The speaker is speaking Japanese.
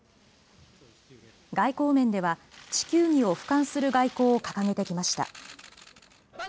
外交面では、地球儀をふかんする外交を掲げてきました。